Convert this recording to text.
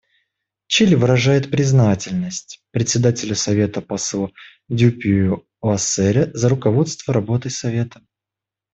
Чили выражает признательность Председателю Совета послу Дюпюи Лассерре за руководство работой Совета.